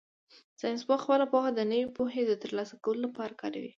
ساینسپوه خپله پوهه د نوې پوهې د ترلاسه کولو لپاره کاروي.